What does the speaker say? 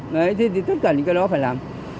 đấy thì tất cả những cái đó phải làm